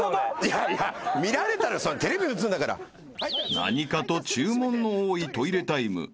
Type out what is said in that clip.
［何かと注文の多いトイレタイム］